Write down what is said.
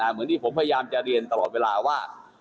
เหมือนที่ผมพยายามจะเรียนตลอดเวลาว่า